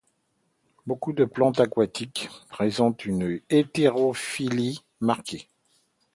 Beaucoup de plantes aquatiques présentent une hétérophyllie marquée.